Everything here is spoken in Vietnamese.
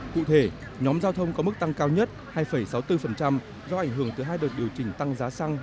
cụ thể nhóm giao thông có mức tăng cao nhất hai sáu mươi bốn do ảnh hưởng từ hai đợt điều chỉnh tăng giá xăng